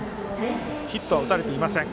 ヒットは打たれていません。